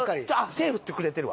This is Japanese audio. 手振ってくれてるわ。